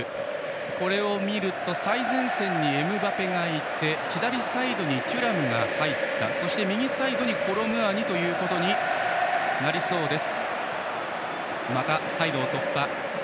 これを見ると最前線にエムバペがいて左サイドにテュラムが入りそして右サイドにコロムアニということになりそうです。